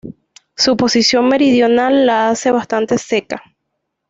Su posición meridional la hace bastante seca.